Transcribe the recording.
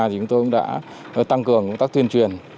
chúng tôi cũng đã tăng cường công tác tuyên truyền